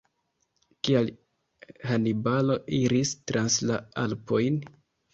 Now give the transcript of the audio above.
Kial Hanibalo iris trans la Alpojn?